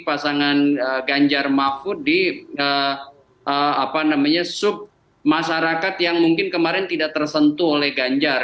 pasangan ganjar mahfud di sub masyarakat yang mungkin kemarin tidak tersentuh oleh ganjar